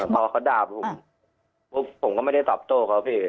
พอเขาด่าผมปุ๊บผมก็ไม่ได้ตอบโต้เขาพี่